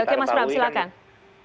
oke oke mas pram silahkan